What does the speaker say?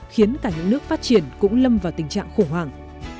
khiến cả những nước phát triển cũng lâm vào thương